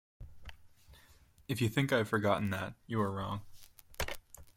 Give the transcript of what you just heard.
If you think I have forgotten that, you are wrong.